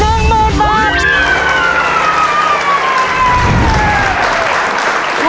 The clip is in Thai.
และโบนัสในตู้หมายเลขสองคือ